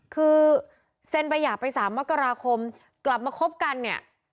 คือเซ็นประหยาปภัย๓มคกลับมาคบกันเนี่ย